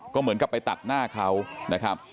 ก็เหมือนกับไปตัดหน้าเขานะครับ